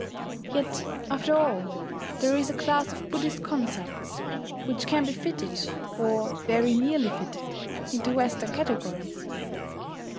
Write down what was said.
Yet after all, there is a class of Buddhist concepts which can be fitted, or very nearly fitted, into Western categories.